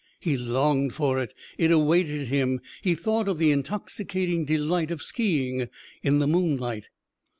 He longed for it. It awaited him. He thought of the intoxicating delight of ski ing in the moonlight....